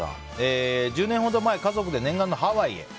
１０年ほど前家族で念願のハワイへ。